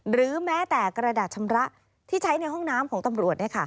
หรือแม้แต่กระดาษชำระที่ใช้ในห้องน้ำของตำรวจ